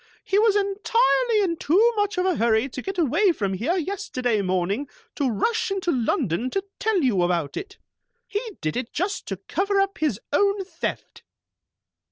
He was entirely in too much of a hurry to get away from here yesterday morning to rush into London to tell you about it. He did it just to cover up his own theft."